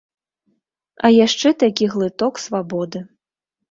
А яшчэ такі глыток свабоды.